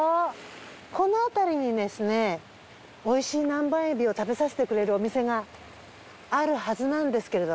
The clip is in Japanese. この辺りにですね美味しい南蛮エビを食べさせてくれるお店があるはずなんですけれど。